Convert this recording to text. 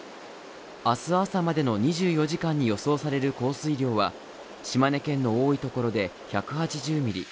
明日朝までの２４時間に予想される降水量は、島根県の多いところで１８０ミリ